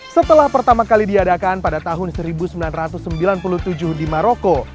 setelah pertama kali diadakan pada tahun seribu sembilan ratus sembilan puluh tujuh di maroko